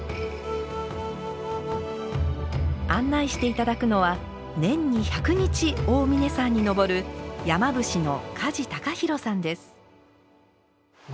案内して頂くのは年に１００日大峯山に登る山伏の梶隆広さんです。